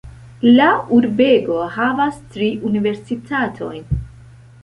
La urbego havas tri universitatojn.